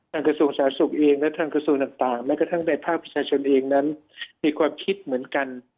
ทางกระสูงศาสกเองและทางกระสูงต่างและในภาคประชาชนเองมีความคิดเหมือนกัน